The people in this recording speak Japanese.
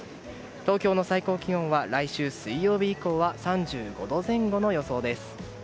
東京の最高気温は来週水曜日以降３５度前後の予想です。